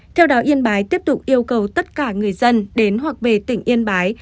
theo đó yên bái tiếp tục yêu cầu tất cả người dân đến hoặc về tỉnh yên bái